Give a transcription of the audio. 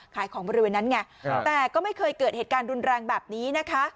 ขายของบริเวณนั้นไงแต่ก็ไม่เคยเกิดเหตุการณ์รุนแรงแบบนี้นะคะ